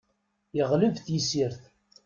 Yeɣleb tisirt.